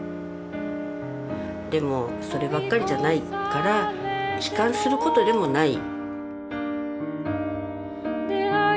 でもそればっかりじゃないから悲観することでもない。